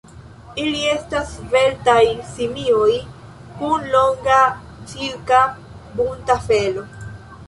Ili estas sveltaj simioj, kun longa, silka, bunta felo.